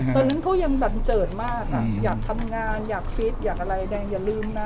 ตอนนั้นเขายังบันเจิดมากอยากทำงานอยากฟิตอยากอะไรแดงอย่าลืมนะ